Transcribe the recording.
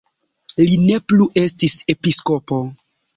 Li ne plu estis episkopo.